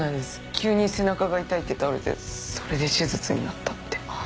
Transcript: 急に背中が痛いって倒れてそれで手術になったって。